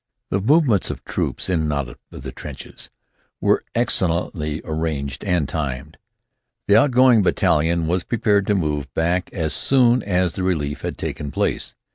The movements of troops in and out of the trenches were excellently arranged and timed. The outgoing battalion was prepared to move back as soon as the "relief" had taken place.